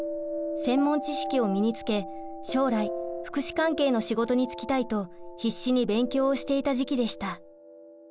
専門知識を身につけ将来福祉関係の仕事に就きたいと必死に勉強をしていた時期でした。